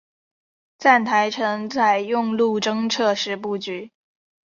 站台层采用路中侧式布局。